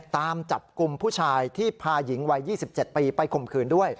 ตามจับกลุ่มผู้ชายที่พาหญิงวัย๒๗ปีไปข่มขืนด้วย